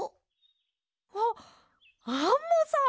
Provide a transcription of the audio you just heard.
あっアンモさん！